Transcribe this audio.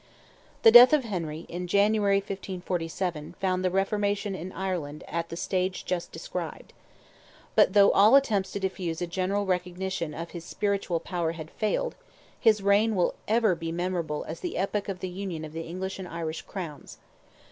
The death of Henry, in January, 1547, found the Reformation in Ireland at the stage just described. But though all attempts to diffuse a general recognition of his spiritual power had failed, his reign will ever be memorable as the epoch of the union of the English and Irish Crowns.